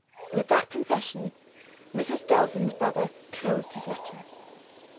With that confession, Mrs. Delvin's brother closed his letter.